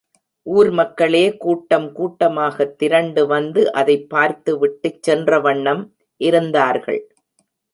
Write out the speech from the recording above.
ஊர் மக்களே கூட்டம் கூட்டமாகத் திரண்டு வந்து அதைப்பார்த்து விட்டுச் சென்ற வண்ணம் இருந்தார்கள்.